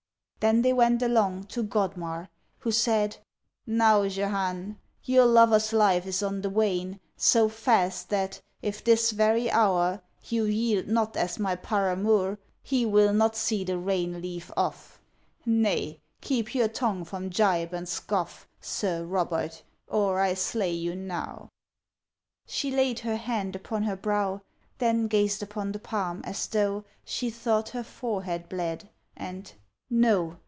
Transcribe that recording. Then they went along To Godmar; who said: Now, Jehane, Your lover's life is on the wane So fast, that, if this very hour You yield not as my paramour, He will not see the rain leave off: Nay, keep your tongue from gibe and scoff Sir Robert, or I slay you now. She laid her hand upon her brow, Then gazed upon the palm, as though She thought her forehead bled, and: No!